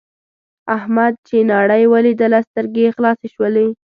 احمد چې نړۍ ولیدله سترګې یې خلاصې شولې.